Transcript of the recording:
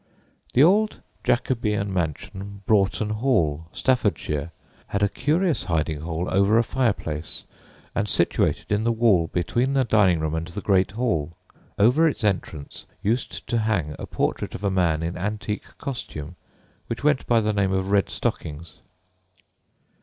The old Jacobean mansion Broughton Hall, Staffordshire, had a curious hiding hole over a fireplace and situated in the wall between the dining room and the great hall; over its entrance used to hang a portrait of a man in antique costume which went by the name of "Red Stockings."